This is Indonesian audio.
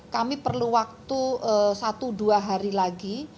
kami perlu waktu satu dua hari lagi